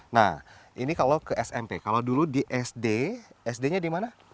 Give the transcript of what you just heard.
nah ini kalau ke smp kalau dulu di sd sd nya di mana